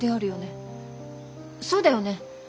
そうだよね？